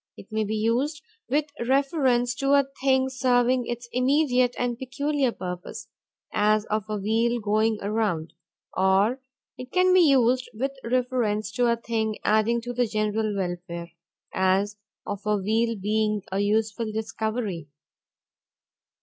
It may be used with reference to a thing serving its immediate and peculiar purpose, as of a wheel going around; or it can be used with reference to a thing adding to the general welfare, as of a wheel being a useful discovery.